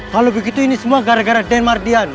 kalau begitu ini semua gara gara den mardian